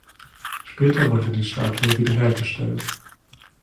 Später wurde die Statue wiederhergestellt.